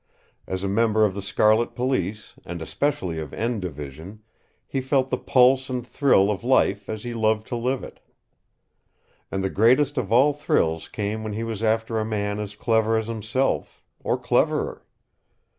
As a member of the Scarlet Police, and especially of "N" Division, he felt the pulse and thrill of life as he loved to live it. And the greatest of all thrills came when he was after a man as clever as himself, or cleverer.